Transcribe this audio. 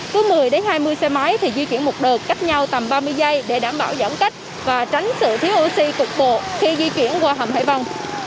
cứ một mươi hai mươi xe máy thì di chuyển một đợt cách nhau tầm ba mươi giây để đảm bảo giãn cách và tránh sự thiếu oxy cục bộ khi di chuyển qua hầm hải vân